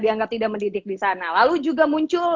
dianggap tidak mendidik disana lalu juga muncul